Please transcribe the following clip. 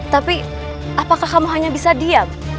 tapi apakah kamu hanya bisa diam